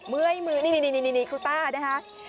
เมื่อยมือนี่ครูต้านะคะ